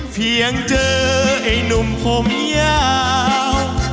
เพียงเจอไอ้หนุ่มผมยาว